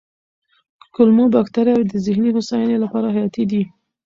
کولمو بکتریاوې د ذهني هوساینې لپاره حیاتي دي.